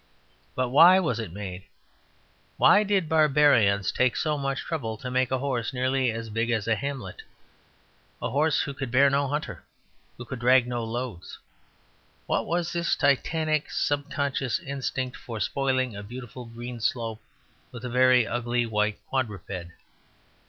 But why was it made? Why did barbarians take so much trouble to make a horse nearly as big as a hamlet; a horse who could bear no hunter, who could drag no load? What was this titanic, sub conscious instinct for spoiling a beautiful green slope with a very ugly white quadruped?